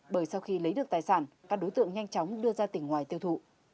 bởi sau khi lấy được tài sản các đối tượng nhanh chóng đưa ra tỉnh ngoài tiêu thụ